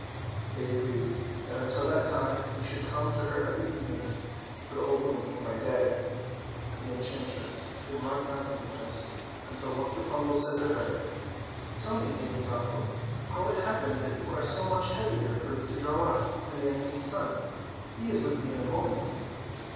They agreed that until that time he should come to her every evening, for the old woman came by day. The enchantress remarked nothing of this, until once Rapunzel said to her, "Tell me, Dame Gothel, how it happens that you are so much heavier for me to draw up than the young King's son—he is with me in a moment."